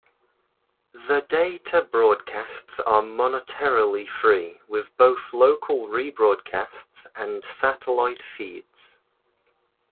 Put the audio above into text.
The data broadcasts are monetarily free with both local rebroadcasts and satellite feeds.